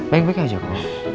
baik baik aja kok